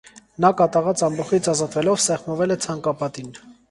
Նա կատաղած ամբոխից ազատվելով սեղմվել է ցանկապատին։